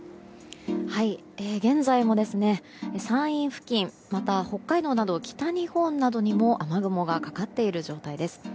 現在も山陰付近また北海道など北日本などにも雨雲がかかっている状態です。